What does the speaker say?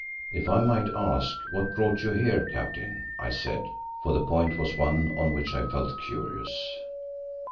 "If I might ask, what brought you here, Captain?" I said, for the point was one on which I felt curious.